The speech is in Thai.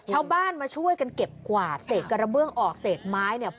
ชาวบ้านมาช่วยกันเก็บกวาดเศษกระเบื้องออกเศษไม้เนี่ย